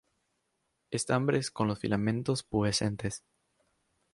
Estambres con los filamentos pubescentes.